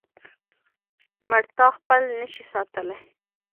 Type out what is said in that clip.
مړتا خپل نشي ساتلی.